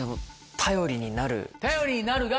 「頼りになる」